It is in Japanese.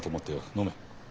飲め。